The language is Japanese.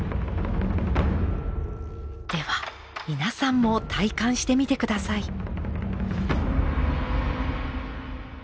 では皆さんも体感してみて下さい。